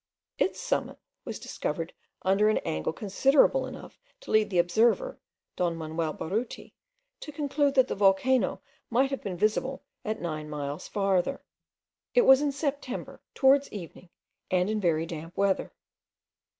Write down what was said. Its summit was discovered under an angle considerable enough to lead the observer, Don Manual Baruti, to conclude that the volcano might have been visible at nine miles farther. It was in September, towards evening, and in very damp weather.